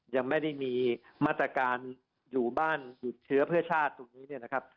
ยังไม่ได้มีมาตรการอยู่บ้านหยุดเชื้อเพื่อชาติตรงนี้เนี่ยนะครับ